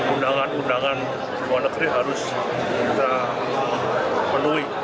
undangan undangan luar negeri harus kita penuhi